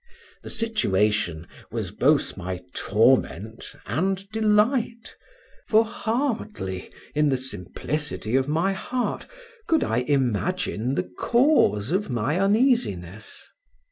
The situation was both my torment and delight, for hardly in the simplicity of my heart, could I imagine the cause of my uneasiness.